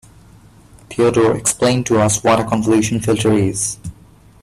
Theodore explained to us what a convolution filter is.